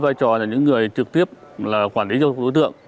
với vai trò là những người trực tiếp là quản lý cho đối tượng